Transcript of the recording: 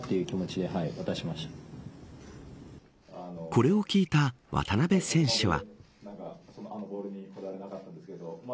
これを聞いた渡邊選手は。